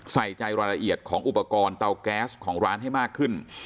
ใส่ใจรายละเอียดของอุปกรณ์เตาแก๊สของร้านให้มากขึ้น